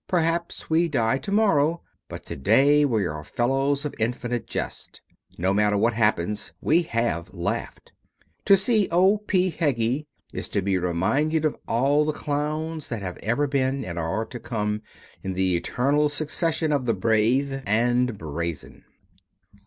Perhaps we die to morrow, but to day we are fellows of infinite jest. No matter what happens, we have laughed. To see O. P. Heggie is to be reminded of all the clowns that have ever been and are to come in the eternal succession of the brave and brazen.